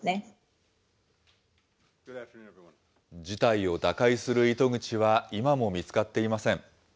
事態を打開する糸口は今も見つかっていません。